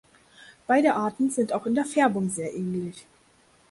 Beide Arten sind auch in der Färbung sehr ähnlich.